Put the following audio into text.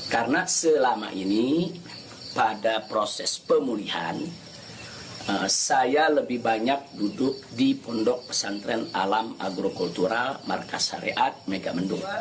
karena selama ini pada proses pemulihan saya lebih banyak duduk di pondok pesantren alam agrokultural markas haryat megamendung